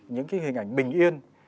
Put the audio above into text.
những cái hình ảnh bình yên